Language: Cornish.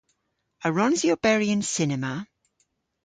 A wrons i oberi yn cinema?